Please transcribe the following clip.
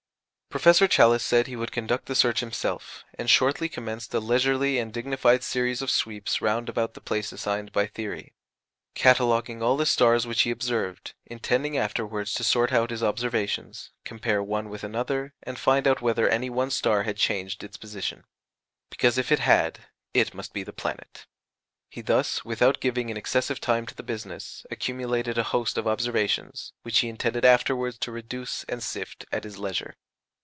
Professor Challis said he would conduct the search himself; and shortly commenced a leisurely and dignified series of sweeps round about the place assigned by theory, cataloguing all the stars which he observed, intending afterwards to sort out his observations, compare one with another, and find out whether any one star had changed its position; because if it had it must be the planet. He thus, without giving an excessive time to the business, accumulated a host of observations, which he intended afterwards to reduce and sift at his leisure.